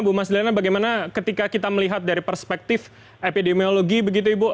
bu mas deliana bagaimana ketika kita melihat dari perspektif epidemiologi begitu ibu